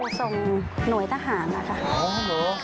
ข้าวส่งหลุยทหารอะครับ